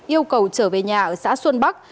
yêu cầu trở về nhà ở xã xuân bắc